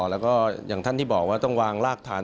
แล้วก็อย่างท่านที่บอกว่าต้องวางรากฐาน